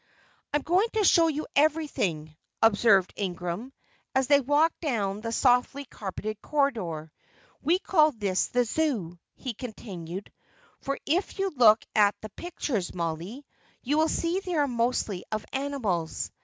"I am going to show you everything," observed Ingram, as they walked down the softly carpeted corridor. "We call this the Zoo," he continued, "for if you look at the pictures, Mollie, you will see they are mostly of animals.